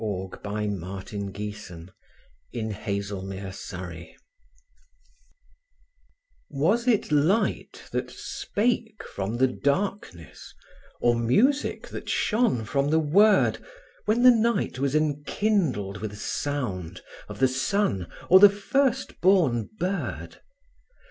Algernon Charles Swinburne Music: An Ode WAS it light that spake from the darkness, or music that shone from the word, When the night was enkindled with sound of the sun or the first born bird?